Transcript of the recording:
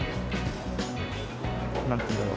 何て言うんだろう？